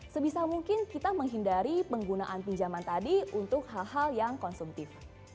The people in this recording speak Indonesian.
sebisa mungkin kita menghindari penggunaan pinjaman tadi untuk hal hal yang konsumtif